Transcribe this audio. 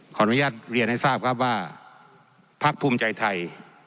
ขออนุญาตเรียนให้ทราบครับว่าพักภูมิใจไทย